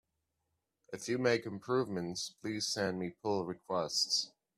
If you make improvements, please send me pull requests!